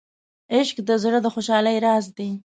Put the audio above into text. عشق د زړه د خوشحالۍ راز دی.